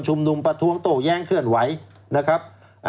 นุมประท้วงโต้แย้งเคลื่อนไหวนะครับ